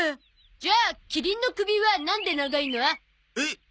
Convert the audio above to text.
じゃあキリンの首はなんで長いの？えっ？